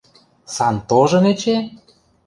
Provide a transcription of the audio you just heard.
– Сантожын эче?!